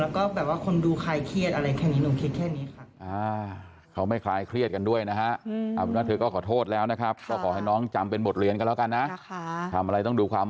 แล้วก็แบบว่าคนดูคลายเครียดอะไรแค่นี้หนูคิดแค่นี้ค่ะ